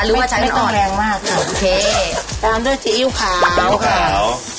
หรือว่าใช้ไม่ต้องแรงมากโอเคตามด้วยซีอิ๊วขาวซีอิ๊วขาว